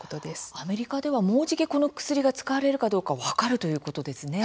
アメリカでは、もうじきこの薬が使われるかどうか分かるということですね。